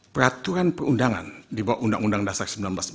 peraturan perundangan di bawah undang undang dasar seribu sembilan ratus empat puluh